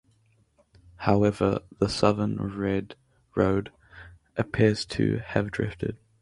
However, the southern road appears to have drifted.